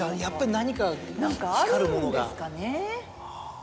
何かあるんですかね。